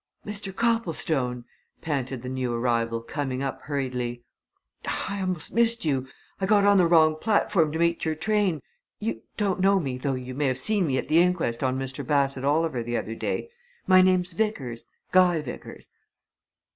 "Mr. Copplestone?" panted the new arrival, coming up hurriedly. "I almost missed you I got on the wrong platform to meet your train. You don't know me, though you may have seen me at the inquest on Mr. Bassett Oliver the other day my name's Vickers Guy Vickers."